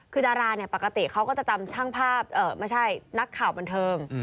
คือดาราเนี่ยปกติเขาก็จะจำช่างภาพไม่ใช่นักข่าวบันเทิง